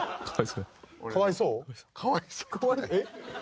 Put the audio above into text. かわいそう？